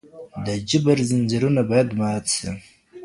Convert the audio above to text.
د جبر ځنځيرونه بايد مات سي.